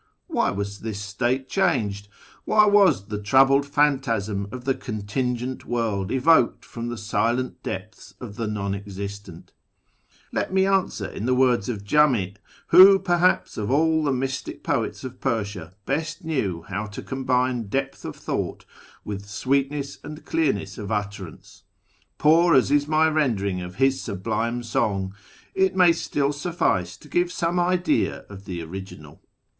Why w^as this state changed ? Why was the troubled phantasm of the Contingent World evoked from the silent depths of the Non Existent ? Let me answer in the words of Jami, who, perhaps, of all the mystic poets of Persia best Icnew how to combine depth of thought with sweetness and clearness of utterance. Poor as is my rendering of his sublime song, it may still suffice to give some idea of the original.